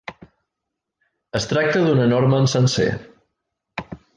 Es tracta d'un enorme encenser.